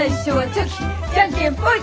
じゃんけんぽい！